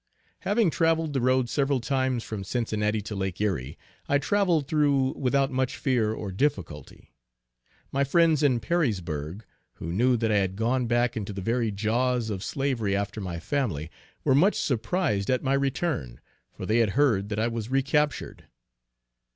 Having travelled the road several times from Cincinnati to Lake Erie, I travelled through without much fear or difficulty. My friends in Perrysburgh, who knew that I had gone back into the very jaws of slavery after my family, were much surprised at my return, for they had heard that I was re captured.